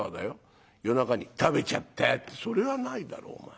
夜中に『食べちゃった』ってそれはないだろお前。